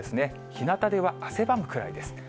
日向では汗ばむくらいです。